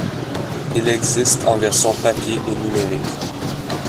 Ils existent en version papier et numérique.